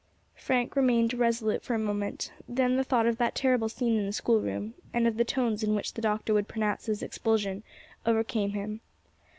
Frank remained irresolute for a moment; then the thought of the terrible scene in the schoolroom, and of the tones in which the Doctor would pronounce his expulsion, overcame him.